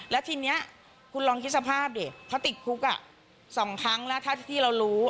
แล้วทีนี้คุณลองคิดสภาพดิเขาติดคุก๒ครั้งแล้วถ้าที่เรารู้